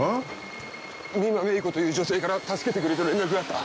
美馬芽衣子という女性から助けてくれと連絡があった。